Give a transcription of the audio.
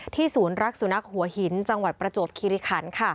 ศูนย์รักสุนัขหัวหินจังหวัดประจวบคิริคัน